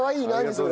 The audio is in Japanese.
それ。